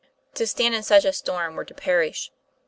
To stand in such a storm were to perish.